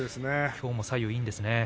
きょうも左右いいんですね。